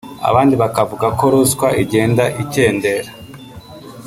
abandi bakavuga ko ruswa igenda ikendera